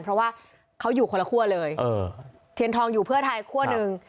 เพราะว่าเขาอยู่คนละคั่วเลยเทียนทองอยู่เพื่อไทยคั่วหนึ่ง